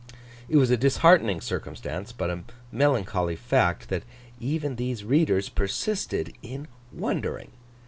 It was a disheartening circumstance, but a melancholy fact, that even these readers persisted in wondering.